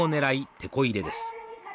てこ入れです